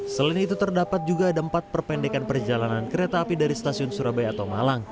selain itu terdapat juga ada empat perpendekan perjalanan kereta api dari stasiun surabaya atau malang